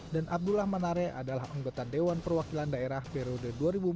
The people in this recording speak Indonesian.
dan abdullah manarai adalah anggota dewan perwakilan daerah periode dua ribu empat belas dua ribu sembilan belas